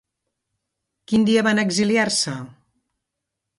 Quin dia van exiliar-se?